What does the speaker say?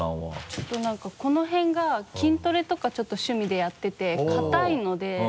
ちょっとなんかこの辺が筋トレとかちょっと趣味でやってて硬いので。